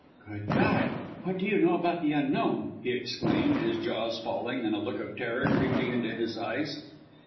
"Good God! What do you know about the Unknown!" he exclaimed, his jaws falling, and a look of terror creeping into his eyes.